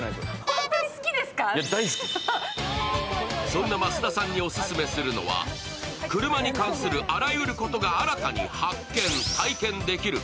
そんな増田さんにオススメするのは車に関するあらゆることが新たに発見、体験できる